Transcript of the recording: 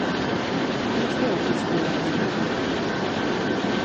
Com es diu Histieu en llatí?